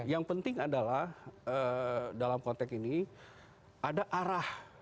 yang penting adalah dalam konteks ini ada arah